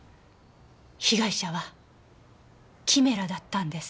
被害者はキメラだったんです。